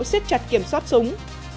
xếp chặt kiểm soát súng